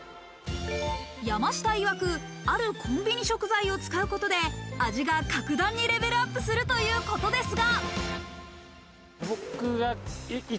山下いわく、あるコンビニ食材を使うことで味が格段にレベルアップするということですが。